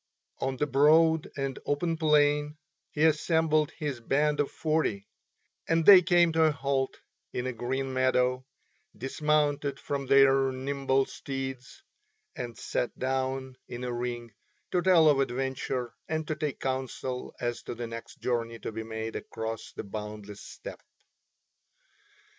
On the broad and open plain he assembled his band of forty, and they came to a halt in a green meadow, dismounted from their nimble steeds, and sat down in a ring to tell of adventure and to take counsel as to the next journey to be made across the boundless steppe.